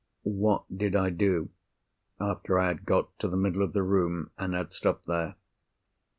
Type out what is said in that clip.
"What did I do, after I had got to the middle of the room, and had stopped there?"